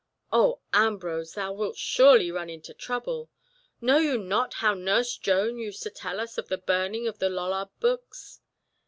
"O Ambrose, thou wilt surely run into trouble. Know you not how nurse Joan used to tell us of the burning of the Lollard books?"